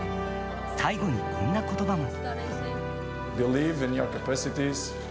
最後にこんな言葉も。